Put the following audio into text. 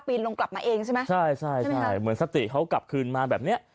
นลงกลับมาเองใช่ไหมใช่ใช่เหมือนสติเขากลับคืนมาแบบเนี้ย